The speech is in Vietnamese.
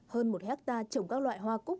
hơn một hectare trồng các loại hoa cúc